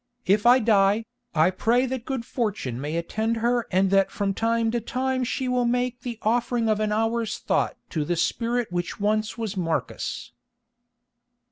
If I die, I pray that good fortune may attend her and that from time to time she will make the offering of an hour's thought to the spirit which once was Marcus."